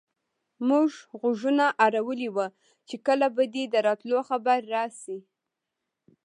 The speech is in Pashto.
موږ غوږونه اړولي وو چې کله به دې د راتلو خبر راشي.